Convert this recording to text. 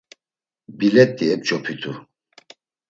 Bilet̆i ep̌ç̌opitu.